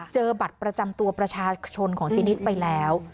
เจอบัตรประจำตัวประชาชนของเจนิดไปแล้ว